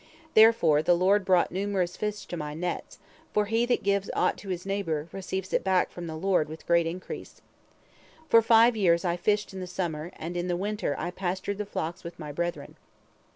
Therefore the Lord brought numerous fish to my nets, for he that gives aught to his neighbor, receives it back from the Lord with great increase. For five years I fished in the summer, and in the winter I pastured the flocks with my brethren.